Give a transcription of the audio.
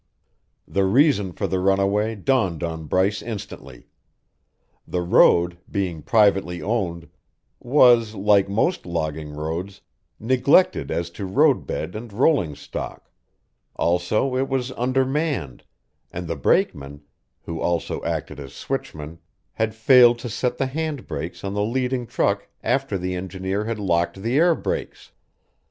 The reason for the runaway dawned on Bryce instantly. The road, being privately owned, was, like most logging roads, neglected as to roadbed and rolling stock; also it was undermanned, and the brake man, who also acted as switchman, had failed to set the hand brakes on the leading truck after the engineer had locked the air brakes.